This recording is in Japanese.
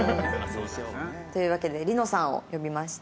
というわけで璃乃さんを呼びました。